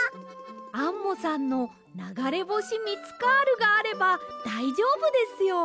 アンモさんのながれぼしミツカールがあればだいじょうぶですよ。